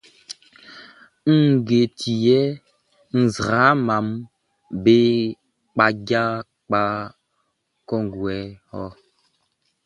Ngue ti yɛ nzraamaʼm be kpaja kpa kɔnguɛ ɔ?